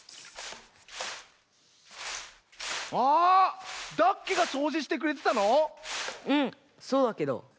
あダッケがそうじしてくれてたの⁉うんそうだけど。